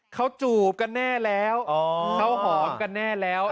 เขาจูบกันแน่แล้วเขาหอมกันแน่แล้ว